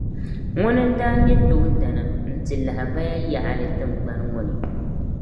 Ŋuni n daa nyɛ toondana, n-ti lahabaya yaɣili tingbani ŋɔ ni.